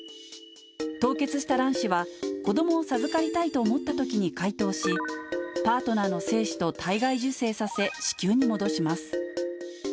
凍結した卵子は、子どもを授かりたいと思ったときに解凍し、パートナーの精子と体外受精させ、子宮に戻します。